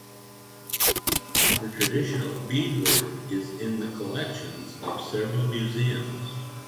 Her traditional beadwork is in the collections of several museums.